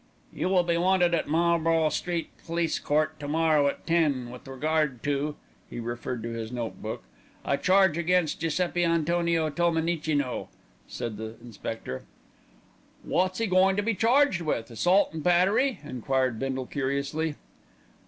"You will be wanted at Marlborough Street Police Court to morrow at ten with regard to" he referred to his note book "a charge against Giuseppi Antonio Tolmenicino," said the inspector. "Wot's 'e goin' to be charged with, assault an' battery?" enquired Bindle curiously.